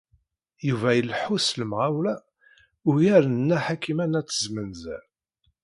Yuba ileḥḥu s lemɣawla ugar n Nna Ḥakima n At Zmenzer.